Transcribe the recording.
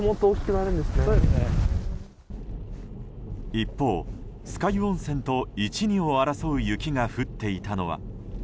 一方、酸ヶ湯温泉と一二を争う雪が降っていたのは。